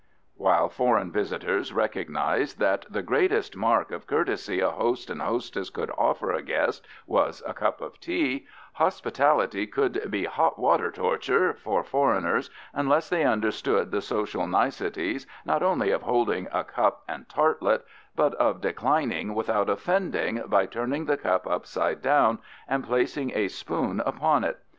" While foreign visitors recognized that the "greatest mark of courtesy" a host and hostess could offer a guest was a cup of tea, hospitality could be "hot water torture" for foreigners unless they understood the social niceties not only of holding a cup and tartlet, but of declining without offending by turning the cup upside down and placing a spoon upon it.